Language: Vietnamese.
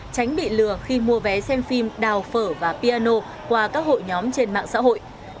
tránh bị lừa khi mua vé xem phim đào phở và piano qua các hội nhóm trên mạng xã hội